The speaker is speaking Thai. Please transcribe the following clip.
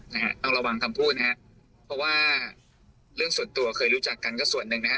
นะฮะต้องระวังคำพูดนะฮะเพราะว่าเรื่องส่วนตัวเคยรู้จักกันก็ส่วนหนึ่งนะฮะ